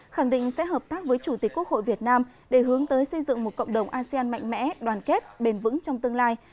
khẳng định sẽ hợp tác với chủ tịch quốc hội việt nam để hướng tới xây dựng một cộng đồng asean mạnh mẽ đoàn kết bền vững trong tương lai